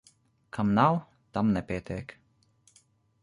Kam nav, tam nepietiek.